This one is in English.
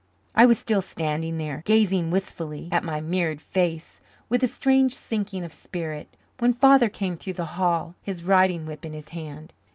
I was still standing there, gazing wistfully at my mirrored face with a strange sinking of spirit, when Father came through the hall, his riding whip in his hand.